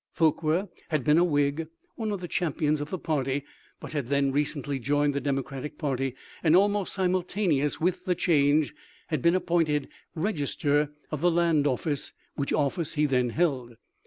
Forquer had been a Whig — one of the champions of the party — but had then recently joined the Democratic party, and almost simultaneous with the change had been appointed Register of the Land Office, which office he then held.